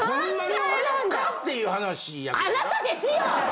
あなたですよ！